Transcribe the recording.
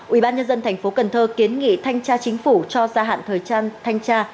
ủy ban nhân dân thành phố cần thơ kiến nghị thanh tra chính phủ cho gia hạn thời thanh tra